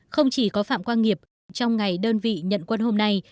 không chỉ có phạm quang nghiệp trong ngày đơn vị nhận quân hôm nay